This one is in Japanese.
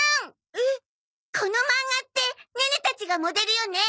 このマンガってネネたちがモデルよね？